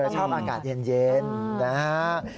ชอบอากาศเย็นนะครับ